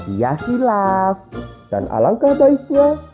iya hilaf dan alangkah baiknya